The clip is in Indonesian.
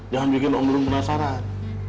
jangan bikin om burung penasaran